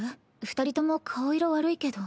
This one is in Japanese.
二人とも顔色悪いけど。